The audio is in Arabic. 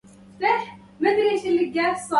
كانت ليلى واقفة وسط الطّريق.